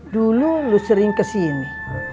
dulu lo sering kesini